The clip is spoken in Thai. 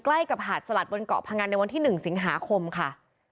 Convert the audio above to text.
ใกล้กับหาดสลัดบนเกาะพงันในวันที่๑สิงหาคมค่ะ